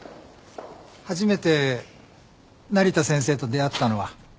初めて成田先生と出会ったのは。